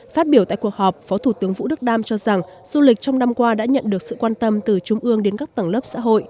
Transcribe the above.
phát biểu tại cuộc họp phó thủ tướng vũ đức đam cho rằng du lịch trong năm qua đã nhận được sự quan tâm từ trung ương đến các tầng lớp xã hội